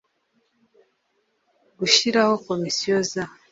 gushyiraho komisiyo za